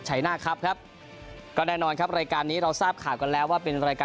หน้าครับครับก็แน่นอนครับรายการนี้เราทราบข่าวกันแล้วว่าเป็นรายการ